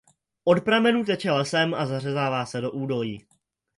Od pramenu teče lesem a zařezává se do údolí.